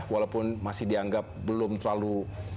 walaupun masih dianggap belum terlalu